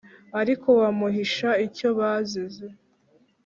ariko bamuhisha icyo bazize.